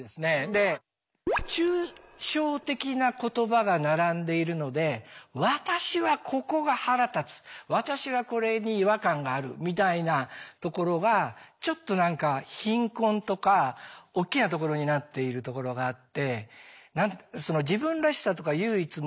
で抽象的な言葉が並んでいるので「私はここが腹立つ」「私はこれに違和感がある」みたいなところがちょっと何か貧困とかおっきなところになっているところがあって。